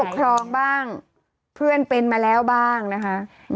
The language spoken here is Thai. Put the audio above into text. ครองบ้างเพื่อนเป็นมาแล้วบ้างนะคะ